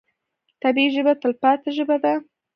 طبیعي ژبه تلپاتې ژبه ده.